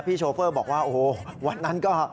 โชเฟอร์บอกว่าโอ้โหวันนั้นก็